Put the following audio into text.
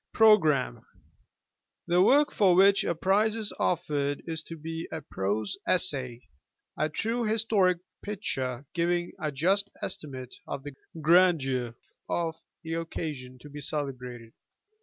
Pkogkam. The work for which a prize is offered is to be a prose essay, a true historic picture giving a just estimate of the grandeur of the occasion to be celebrated.